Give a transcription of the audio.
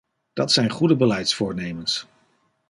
Dat zijn goede beleidsvoornemens.